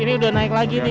ini sudah naik lagi nih